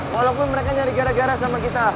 walaupun mereka nyari gara gara sama kita